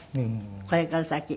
これから先。